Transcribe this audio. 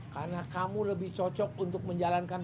karena kamu lebih cocok untuk menjalankan